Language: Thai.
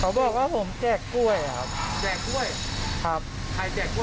บอกว่าผมแจกกล้วยครับแจกกล้วยครับใครแจกกล้วย